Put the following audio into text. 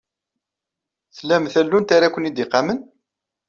Tlam tallunt ara ken-id-iqamen?